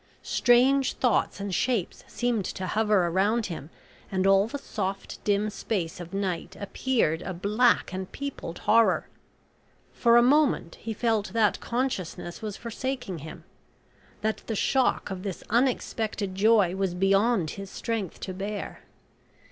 Strange thoughts and shapes seemed to hover around him, and all the soft, dim space of night appeared a black and peopled horror. For a moment he felt that consciousness was forsaking him... that the shock of this unexpected joy was beyond his strength to bear.